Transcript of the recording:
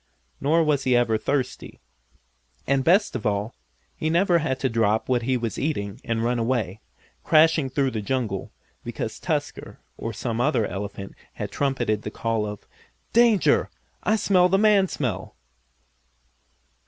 Nor was he ever thirsty. And, best of all, he never had to drop what he was eating and run away, crashing through the jungle, because Tusker, or some other elephant had trumpeted the call of: "Danger! I smell the man smell!"